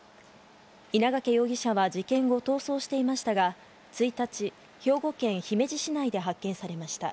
稲掛容疑者は事件後逃走していましたが、１日、兵庫県姫路市内で発見されました。